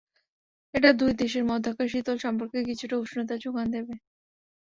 এটা দুই দেশের মধ্যকার শীতল সম্পর্কে কিছুটা উষ্ণতার জোগান দেবে।